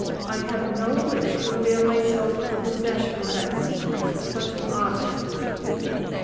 "I have no wish to avail myself of the possession of that secret for such an object," said Lydia.